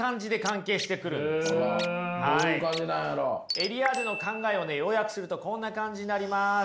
エリアーデの考えを要約するとこんな感じになります。